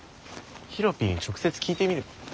ヒロピーに直接聞いてみれば？